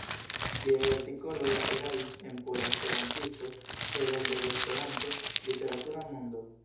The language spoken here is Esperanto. Liaj artikoloj aperadis en "Pola Esperantisto", "Heroldo de Esperanto", "Literatura Mondo".